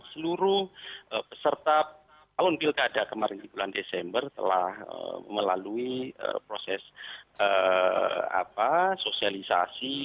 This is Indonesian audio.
seluruh peserta alun pilkada kemarin di bulan desember telah melalui proses sosialisasi